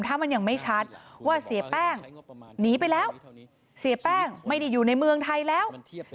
ถ้ามันยังไม่ชัดว่าเสียแป้งหนีไปแล้ว